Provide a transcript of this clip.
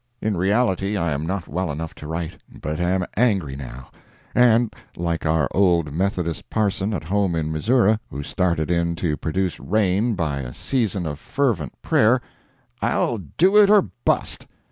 In reality, I am not well enough to write, but am angry now, and like our old Methodist parson at home in Missouri, who started in to produce rain by a season of fervent prayer, "I'll do it or bust."